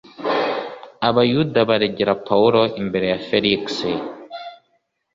abayuda baregera pawulo imbere ya felix